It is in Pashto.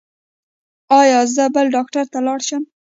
ایا زه بل ډاکټر ته لاړ شم؟